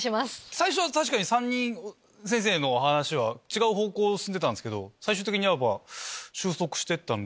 最初は確かに３人先生のお話は違う方向進んでたんすけど最終的に収束して行ったんで。